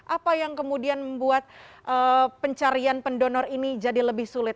apa yang kemudian membuat pencarian pendonor ini jadi lebih sulit